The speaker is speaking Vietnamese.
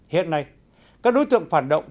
hiện nay các đối tượng phản động